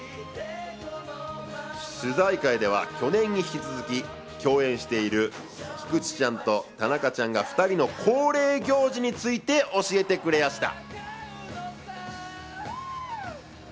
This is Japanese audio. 取材会では去年に引き続き、共演してる菊池ちゃんと田中ちゃんが２人の恒例行事について教えてくれやした。